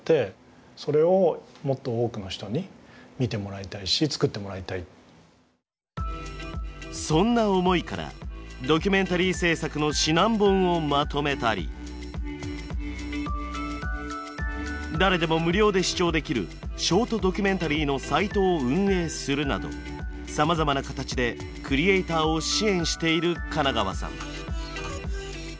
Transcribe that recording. じゃあみんなで考えていくとそれをそんな思いからドキュメンタリー制作の指南本をまとめたり誰でも無料で視聴できるショートドキュメンタリーのサイトを運営するなどさまざまな形でクリエイターを支援している金川さん。